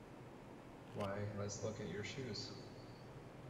Why, let’s look at your shoes.